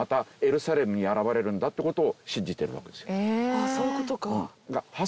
あっそういう事か。